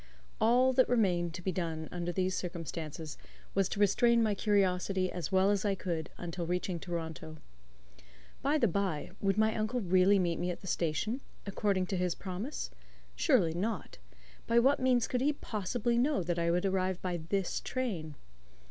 All that remained to be done under these circumstances was to restrain my curiosity as well as I could until reaching Toronto. By the by, would my uncle really meet me at the station, according to his promise? Surely not. By what means could he possibly know that I would arrive by this train?